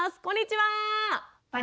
こんにちは！